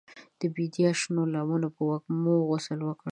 د بیدیا شنو لمنو په وږمو غسل وکړ